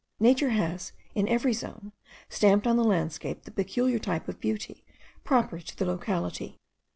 Nature has in every zone stamped on the landscape the peculiar type of beauty proper to the locality.